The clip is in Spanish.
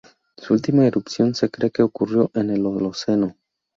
Su última erupción se cree que ocurrió en el Holoceno.